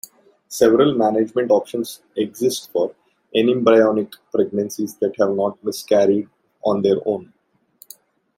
Several management options exist for anembryonic pregnancies that have not miscarried on their own.